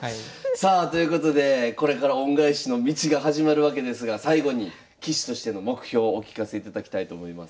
さあということでこれから恩返しの道が始まるわけですが最後に棋士としての目標お聞かせいただきたいと思います。